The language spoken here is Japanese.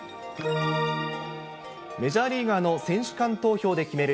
メジャーリーガーの選手間投票で決める